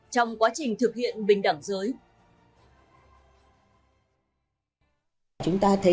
trong quá trình thực hiện bình đẳng giới